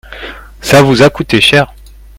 ça vous a coûté cher.